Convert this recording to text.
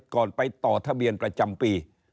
ก่อนไปต่อทะเบียนประจำปี